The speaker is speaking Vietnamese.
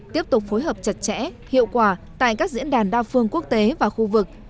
tiếp tục phối hợp chặt chẽ hiệu quả tại các diễn đàn đa phương quốc tế và khu vực